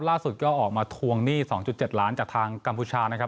ล่าสุดก็ออกมาทวงหนี้๒๗ล้านจากทางกัมพูชานะครับ